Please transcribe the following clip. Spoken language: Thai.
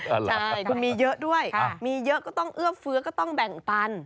ใช่คุณมีเยอะด้วยมีเยอะก็ต้องเอื้อเฟื้อก็ต้องแบ่งปัน